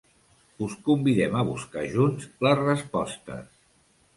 Us convidem a buscar junts les respostes.